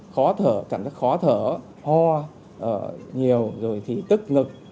khó thở cảm giác khó thở ho nhiều rồi thì tức ngực